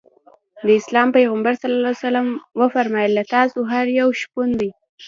د اسلام پیغمبر ص وفرمایل له تاسو هر یو شپون دی.